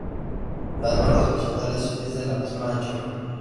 Las bandas horizontales es de la misma anchura.